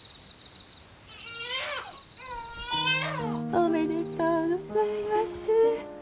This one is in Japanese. おめでとうございます。